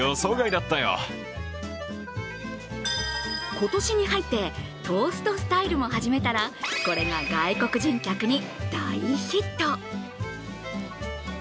今年に入ってトーストスタイルも始めたら、これが外国人客に大ヒット。